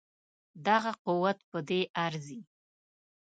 دغه قوت په دې ارزي.